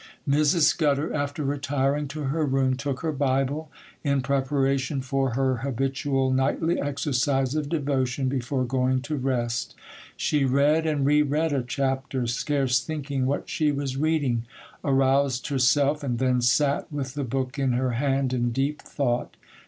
Mrs. Scudder, after retiring to her room, took her Bible, in preparation for her habitual nightly exercise of devotion, before going to rest. She read and re read a chapter, scarce thinking what she was reading,—aroused herself,—and then sat with the book in her hand in deep thought.